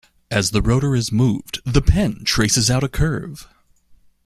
As the rotor is moved, the pen traces out a curve.